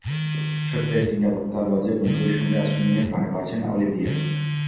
ছোট্ট একটি নিরাপত্তা লজে বন্ধুর সঙ্গে আশ্রয় নিয়ে প্রাণে বাঁচেন অলিভিয়া।